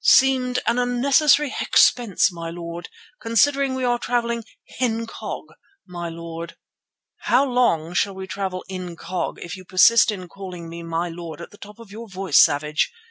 "Seemed an unnecessary expense, my lord, considering we are travelling incog., my lord." "How long shall we travel 'incog.' if you persist in calling me my lord at the top of your voice, Savage?